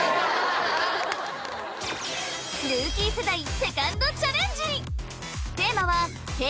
ルーキー世代セカンドチャレンジ！